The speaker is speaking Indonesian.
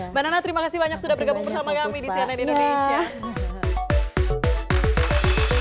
mbak nana terima kasih banyak sudah bergabung bersama kami di cnn indonesia